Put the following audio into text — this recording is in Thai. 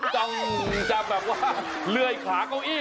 ต้องจะแบบว่าเลื่อยขาเก้าอี้